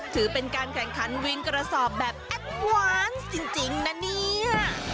ถือเป็นการแข่งขันวินกระสอบแบบแอดวานจริงนะเนี่ย